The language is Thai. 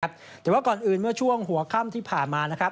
แต่ว่าก่อนอื่นเมื่อช่วงหัวค่ำที่ผ่านมานะครับ